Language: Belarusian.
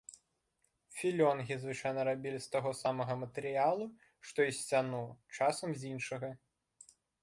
Філёнгі звычайна рабілі з таго самага матэрыялу, што і сцяну, часам з іншага.